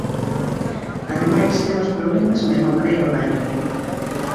Ademais temos problemas mesmo para ir ao baño.